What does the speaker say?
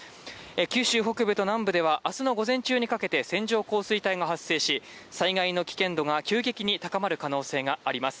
九州北部と南部では明日の午前中にかけて線状降水帯が発生し、災害の危険度が急激に高まる可能性があります。